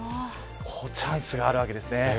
チャンスがあるわけですね。